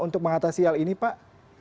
untuk mengatasi hal ini pak